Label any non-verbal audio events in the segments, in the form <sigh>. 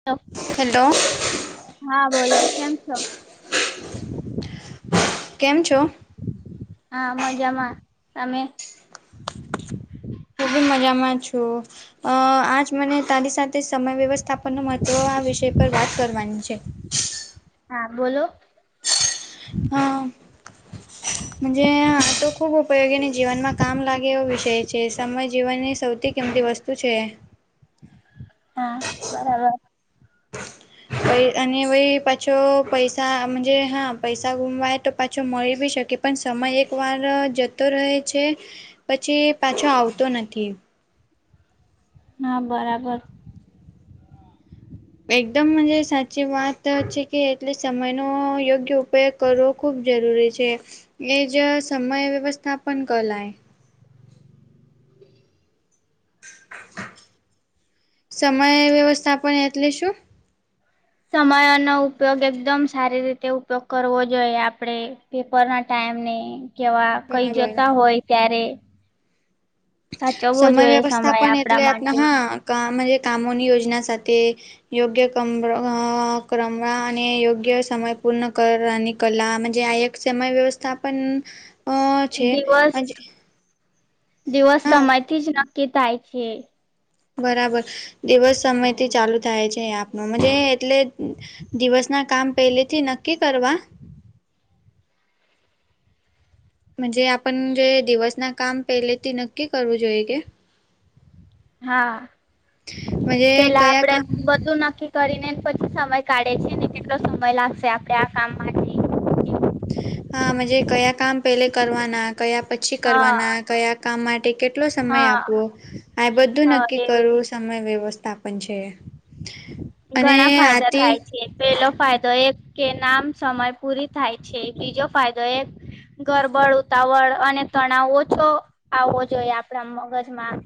હા. હલો. હા બોલો કેમ છો? કેમ છો? હા મજામાં તમે? ખુબ મજામાં છું. અ આજ મને તારી સાથે સમય વ્યવસ્થાપન ન મહત્વ આ વિષય પર વાત કરવાની છે. હ <inaudible> હા બોલો. જ તો ખૂબ ઉપયોગીને જીવનમાં કામ લાગે એવો વિષય છે સમય જીવનની સૌથી કિંમતી વસ્તુ તું છે. હા બરાબર. અને વય પાછો પૈસાજ હા પૈસા ગુમાવાય તો પાછો મળી બી શકે. પણ સમય એક વાર જતો રહે છે, પછી પાછો આવતો નથી. હા બરાબર. એકદમજે સાચી વાત. તો છે કે એટલે સમયનો યોગ્ય ઉપયોગ કરવો ખૂબ જરૂરી છે. એ જ સમય વ્યવસ્થાપન કલાય. સમય વ્યવસ્થા પણ એટલે શું? સમયોનોો ઉપયોગ એકદમ સારી રીતે ઉપયોગ કરવો જોઈએ આપડે. પેપર ના ટાઈમને કેવા કઈ બરાબર જતા હોય ત્યારે. સાચવવો સમય જોઈએ વ્યવસ્થા સમય પણન એટલે આપડા આપ માટે હા કામોની યોજના સાથે યોગ્ય ક ક્રમ અને યોગ્ય સમય પૂર્ણ કરની કલાજ આ એક સમય વ્યવસ્થા પણન છે. દિવસ દિવસ હા સમય થી જ નક્કી થાય છે. બરાબર, દિવસ સમયથી ચાલુ થાય છે આપનું એટલે દિવસ ના કામ પેલે થી નક્કી કરવા. જ આપણ જે દિવસ ના કામ પહેલેથી નક્કી કરવું જોઈએ કે. હા, મજે પેલા કયા આપડે કામ બધું નક્કી કરીને પછી સમય કાઢે છે ને કેટલો સમય લાગશે આપે આ કામ માટે. હાજ કયા કામ પેલે કરવાના કયા પછી પછી હા કરવાના કયા કામ માટે કેટલો સમય હા આપવો, આ બધું હા નક્કી એવી કરું. સમય વ્યવસ્થા પણ છે, અને ઘણા ફાયદા આથી થાય છે પેલો ફાયદો એક કે નામ સમય પૂરી થાય છે બીજો ફાયદો એક ગરબડ ઉતાવળ અને તણાવ ઓછો આવવો જોઈએ આપણા મગજમાં.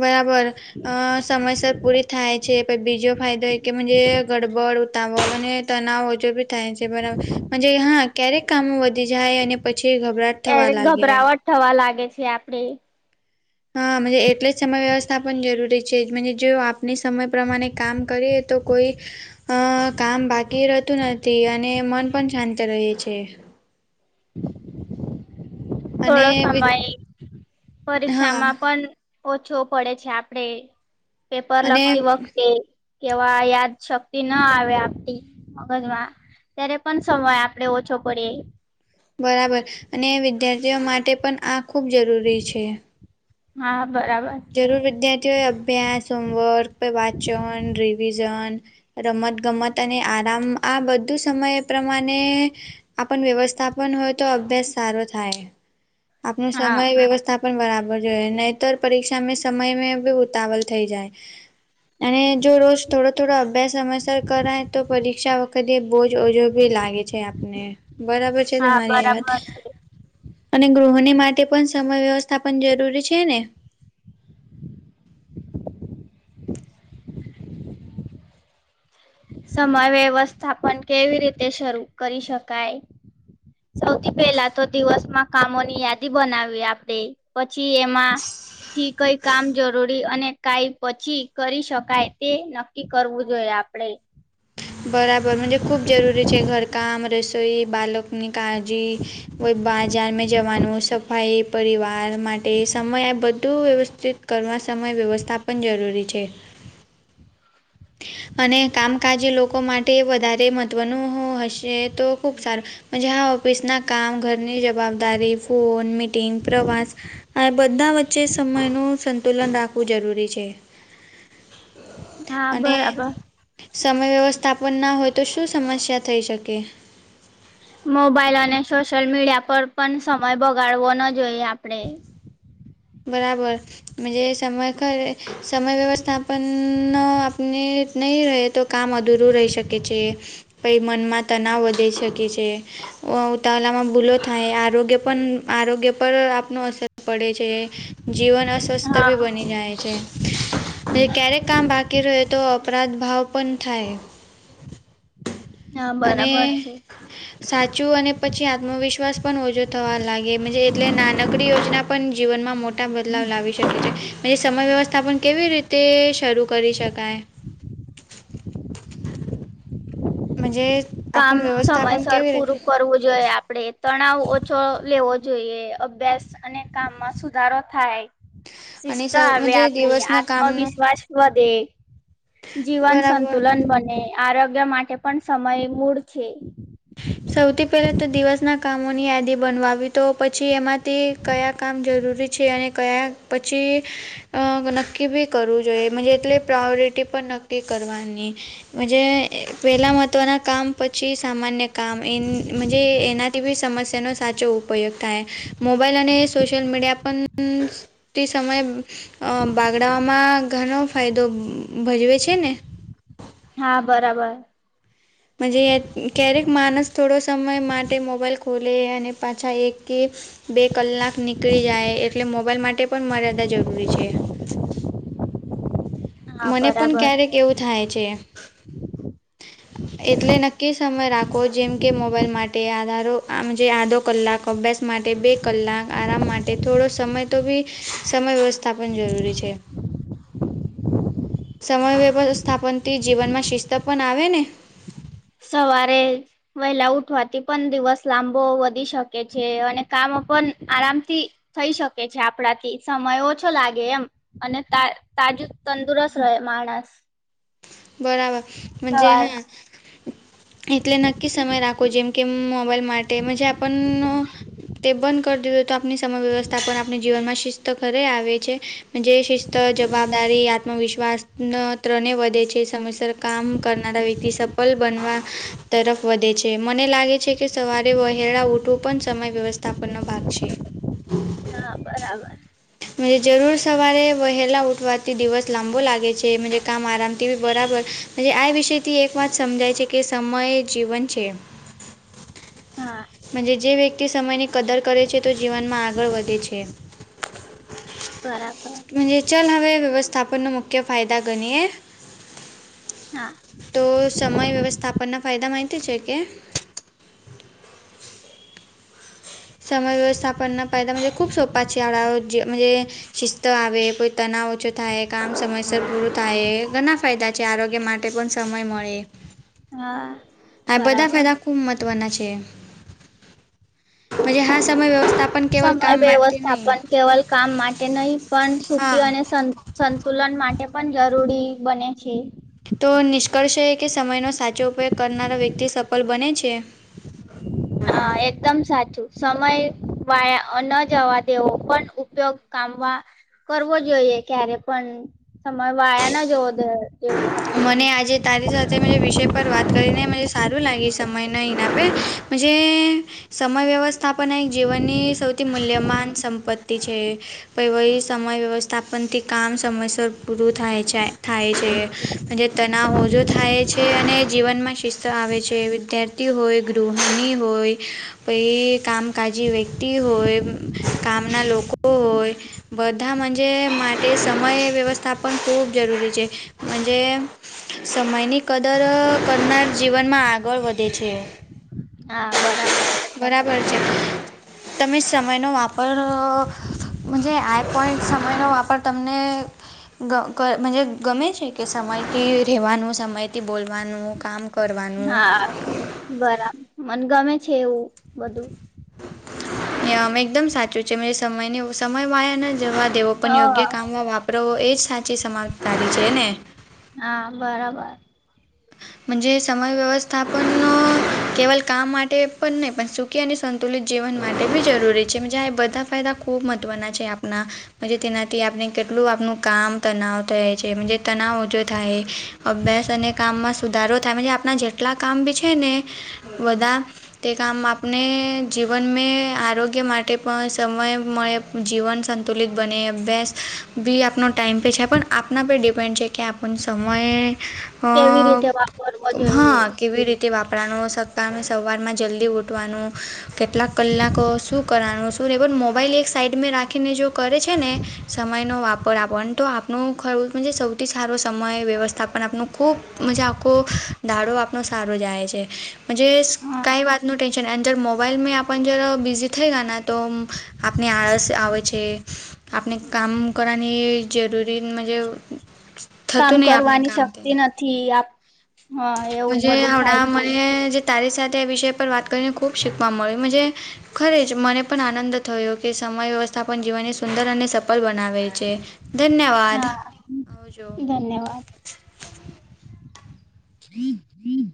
બરાબર, અ સમયસર પૂરી થાય છે પછી બીજો ફાયદો એક કે ગડબડ ઉતાવળ અને તનાવ ઓજ બી થાય છે બરાબર, હા ક્યારેક કામ વધી જાય અને પછી ગભરાટ ત્યારે થવા લાગે. ગભરાવટ થવા લાગે છે આપડે. હા એટલે જ સમય વ્યવસ્થા પણ જરૂરી છે જો આપણી સમય પ્રમાણે કામ કરીએ તો કોઈ, કામ બાકી રહેતું નથી અને મન પણ શાંત રહે છે. અને થોડો વિ સમય હા પરીક્ષામાં પણ ઓછો પડે છે આપડે પેપર અને લગતી વખતે. કેવા યાદ શક્તિ ના આવે આપતી. મગજમાં ત્યારે પણ સમય આપડે ઓછો પડીએ. બરાબર, અને વિદ્યાર્થીઓ માટે પણ આ ખૂબ જરૂરી છે. હા બરાબર. જરૂર વિદ્યાર્થીઓ એ અભ્યાસ હોમવર્ક વાચન ર ઝન રમત ગમત અને આરામ આ બધું સમય પ્રમાણે આપણ વ્યવસ્થાપન હોય તો અભ્યાસ સારો થાય આપણ હા સમય વ્યવસ્થા પણ બરાબર છે નહીતર પરીક્ષા મેં સમય મેં ભી ઉતાવલ થઈ જાય અને જો રોજ થોડો થોડો અભ્યાસ સમયસર કરાય તો પરીક્ષા વખતે બહજ ઓજો ભી લાગે છે આપને બરાબર છે હા તમારી એ વાત બરાબર છે અને ગૃહોની માટે પણ સમય વ્યવસ્થા પણ જરૂરી છે ને સમય વ્યવસ્થા પણ કેવી રીતે શરૂ કરી શકાય સૌથી પેલા તો દિવસમાં કામોની યાદી બનાવી આપડે પછી એમાં થી કઈ કામ જરૂરી અને કઈ પછી કરી શકાય તે ન કરવું જોઈએ આપડણે બરાબર મન્જે ખૂબ જરૂરી છે ઘરકામ રસોઈ બાલકની કાળજી બજારમાં જવાનું સફાઈ પરિવાર માટે સમય આ બધું વ્યવસ્થિત કરવા સમય વ્યવસ્થા પણ જરૂરી છે. અને કામકાજ લોકો માટે વધારે મહત્વનું હશે તો ખૂબ સારું મન્જે હા ઓફિસ ના કામ ઘરની જવાબદારી ફોન મીટિંગ પ્રવાસ આ બધા વચ્ચે સમય નું સંતુલન રાખવું જરૂરી છે. હા અને બરાબર. સમય વ્યવસ્થાપન ના હોય તો શું સમસ્યા થઈ શકે મોબાઈલ અને સોશિયલ મીડિયા પર પણ સમય બગાડવો ન જોઈએ આપણેે બરાબર જ સમય ખ સમય વ્યવસ્થાપન આપને નહી રહે તો કામ અધૂરું રહી શકે છે પઈ મનમાં તનાવ વધી શકે છે. ઉતાવળામાં ભૂલો થાય આરોગ્ય પણ આરોગ્ય પર આપનો અસર પડે છે. જીવન અસ્વસ્થ ભી હા બની જાય છે. ક્યારેક કામ બાકી રહે તો અપરાધ ભાવ પણ થાય હા અને બરાબર છે. સાચું અને પછી આત્મવિશ્વાસ પણ ઓછો થવા લાગે એટલે નાનકડી યોજના પણ જીવનમાં મોટા બદલાવ લાવી શકે છે. એ સમય વ્યવસ્થા પણ કેવી રીતે શરૂ કરી શકાય. મન્જે કામ સમયસર પૂરું કરવું જોઈએ આપડે તણાવ ઓછો લેવો જોઈએ અભ્યાસ અને કામમાં સુધારો થાય અને શિસ્ત સ આવે આપડી દિવસના કામનું આત્મવિશ્વાસ વધે. જીવન બરાબર સંતુલન બને આરોગ્ય માટે પણ સમય મૂળ છે. સૌથી પહેલા તો દિવસના કામોની યાદી બનવાવી તો પછી એમાં તે કયા કામ જરૂરી છે અને કયા પછી અ નક્કી બી કરવું જોઈએ મન્જે એટલે પ્રાયોરિટી પણ નક્કી કરવાની મન્જે પેલા મહત્વના કામ પછી સામાન્ય કામ એન મન્જે એનાથી બી સમસ્યાનો સાચો ઉપયોગ થાય મોબાઈલ અને સોશલ મીડિયા પણ તે સમય અ બાગડા ઓમાં ઘણો ફાયદો ભજવે છે ને હા બરાબર જે ક્યારેક માણસ થોડો સમય માટે મોબાઈલ ખોલે અને પાછા એક કે બે કલાક નીકળી જાય એટલે મોબાઈલ માટે પણ મર્યાદા જરૂરી છે. હા મને પણ બરાબર ક્યારેક એવું થાય છે. એટલે નક્કી સમય રાખો જેમ કે મોબાઈલ માટે આધારો આમજ આધો કલાક અભ્યાસ માટે બે કલાક આરામ માટે થોડો સમય તો બી સમય વ્યવસ્થા પણ જરૂરી છે. સમય વ્યવસ્થાપનથી જીવનમાં શિસ્ત પણ આવે ને સવારે વહેલા ઉઠવાથી પણ દિવસ લાંબો વધી શકે છે અને કામ પણ આરામથી થઈ શકે છે આપણાથી સમય ઓછો લાગે એમ અને તા તાજું તંદુરસ્ત માણસ બરાબર જે સવાર હા એટલે નક્કી સમય રાખવો જેમ કે મોબાઈલ માટે તેમજ આપણે પણ <unintelligible> આપની સમય વ્યવસ્થા પણ આપણી જીવનમાં શિસ્ત ઘરે આવે છે જે શિસ્ત જવાબદારી આત્મવિશ્વાસ ત્રને વધે છે. સમયસર કામ કરનારા વ્યક્તિ સફળ બનવા તરફ વધે છે મને લાગે છે કે કે સવારે વહેલા ઉઠવું પણ સમય વ્યવસ્થાપનનો ભાગ છે. હા બરાબર જરૂર સવારે વહેલા ઉઠવાથી દિવસ લાંબો લાગે છે. કામ આરામ તેવી બરાબર આ વિષય થી એક વાત સમજાય છે કે સમય જીવન છે. <inaudible> હા જ જે વ્યક્તિ સમયની કદર કરે છે તો જીવનમાં આગળ વધે છે. બરાબર જ ચાલ હવે વ્યવસ્થાપનનો મુખ્ય ફાયદા ગણીએ હા તો સમય વ્યવસ્થાપન ના ફાયદા માહિતી છે કે સમય વ્યવસ્થાપનના ફાયદાજ ખૂબ સોપા છે આળડાઓ જેમ જે શિસ્ત આવે કોઈ તણાવ ઓછો થાય કામ સમયસર પૂરું થાય ઘણા ફાયદા છે આરોગ્ય માટે <unintelligible> સમય મળે હા આ બધા બરાબર ફાયદા ખૂબ મહત્વના છે જ હા સમય વ્યવસ્ સમય વ્યવસ્થાપન કેવલ કામ માટે નહી પણ હા સુખી અને સંતુલન માટે પણ જરૂરી બને છે. તો નિષ્કર્ષ એ કે સમયનો સાચો ઉપયોગ કરનારો વ્યક્તિ સફળ બને છે. હા! એકદમ સાચું. સમય વાળ ન જવા દેવો પણ ઉપયોગ કામ મા કરવો જોઈએ ક્યારે પણ સમય વાયા ન જો આપડે મને આજે તારી સાથે વિષય પર વાત કરીને સારું લાગે સમયના એનામે આપે સમય વ્યવસ્થાપન, એક જીવનની સૌથી મૂલ્યમાન સંપત્તિ <unintelligible> સમય વ્યવસ્થાપનથી કામ સમયસર પૂરું થાય છે. થાય છે. તનાવ ઓછો થાય છે. અને જીવનમાં શિસ્ત આવે છે. વિદ્યાર્થી હોય. ગૃહણી હોય. કામકાજી વ્યક્તિ હોય કામ ના લોકો હોય બધા માં જે માટે સમય વ્યવસ્થા પણ ખૂબ જરૂરી છે. સમયની કદર કરનાર જીવનમાં આગળ વધે છે. હા બરાબર. બરાબર છે. તમે સમયનો વાપર. આઈપઈન્ટ સમયનો વાપર તમને. ગમે છે કે? સમયથી રહેવાનું, સમયથી બોલવાનું કામ. કરવાનું હા! બરાબર મને ગમે છે એવું બધું. મ એકદમ સાચું છે. મે સમય સમય વાયા ના જવા. તેઓ હ પણ યોગ્ય કામમાં વાપરવવો. એ જ સાચી સમાજદારી છે ને. હા! બરાબર. સમય વ્યવસ્થાપન કેવલ કામ માટે પણ નહીં પણ સુખી અને સંતુલિત જીવન માટે બી જરૂરી છે. જ આ બધા ફાયદા ખૂબ મહત્ત્વના છે આપણા. તેનાથી આપણે કેટલું આપણું કામ તનાવ થ છે. તનાવ ઓછો થાય. અભ્યાસ અને કામમાં સુધારો થાય. આપણા જેટલા કામ બી છે ને બધા. તે કામ આપને જીવન મે આરોગ્ય માટે પણ, સમય મળે. જીવન સંતુલિત બને. અભ્યાસ બી આપનો ટાઈમ પે છે. પણ આપના પર ડિપેન્ડ છે કે આપ. પણ સમયે અ કેવી રીતે વાપરવો જોઈએ હા કેવી રીતે. વાપરાનું. સમે સવારમાં જલ્દી ઉઠવાનું. કેટલાક કલાકો શું કરવાનું? તો ને પણ મોબાઈલ એક સાઈડ મે રાખીને જો કરે છે ને, સમયનો વાપર આપવાનો તો. નું ખ સૌથી સારો સમય વ્યવસ્થાપન આપનું. ખૂબ આખો દાડો આપનો સારો જાય છે. હા કઈ વાતનું જ મોબાઈલ આપ જ બિઝી થઈ ગયા ને તો, આપને આળસ આવે છે. આપણે કામ કરવાની જરૂરીજે. કામ કરવાની શક્તિ નથી આપ. હા એવું બધું થાય હડા છે મને જે તારી સાથે આ વિષય પર વાત કરીને, ખુબ શીખવા મળ્યું મજે ખરે જ મને પણ આનંદ થયો કે, સમય વ્યવસ્થા પણ જીવનને સુંદર અને સફળ બનાવે છે ધન્યવાદ. હા ધન્યવાદ <inaudible>